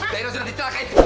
biar ada di penjara sekalian